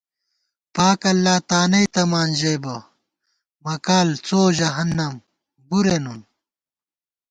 پاک اللہ تانئ تمان ژئیبہ مکال څو جہنّم بُرے نُن